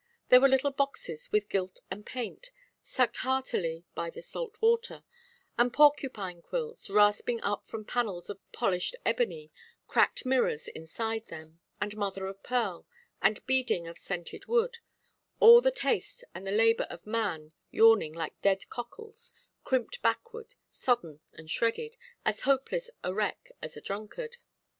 There were little boxes with gilt and paint, sucked heartily by the salt water, and porcupine–quills rasping up from panels of polished ebony, cracked mirrors inside them, and mother–of–pearl, and beading of scented wood; all the taste and the labour of man yawning like dead cockles, crimped backward, sodden and shredded, as hopeless a wreck as a drunkard.